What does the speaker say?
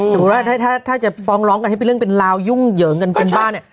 สมมุติว่าถ้าถ้าจะฟ้องร้องกันให้เป็นเรื่องเป็นราวยุ่งเหยิงกันเป็นบ้านเนี่ย